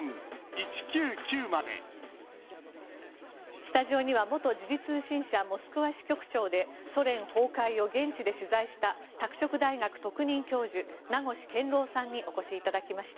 スタジオには元時事通信社モスクワ支局長でソ連崩壊を現地で取材した拓殖大学特任教授名越健郎さんにお越しいただきました。